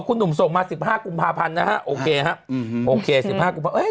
คุณหนุ่มส่งมา๑๕กุมภาพันธ์นะฮะโอเคฮะอืมโอเค๑๕กุมภาค